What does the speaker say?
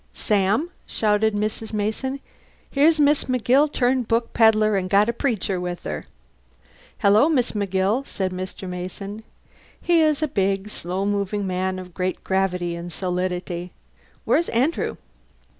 "Sam," shouted Mrs. Mason, "here's Miss McGill turned book pedlar and got a preacher with her!" "Hello, Miss McGill," said Mr. Mason. He is a big, slow moving man of great gravity and solidity. "Where's Andrew?"